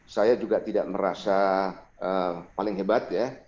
saya juga tidak merasa paling hebat ya